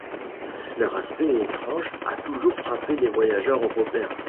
Leur aspect étrange a toujours frappé les voyageurs européens.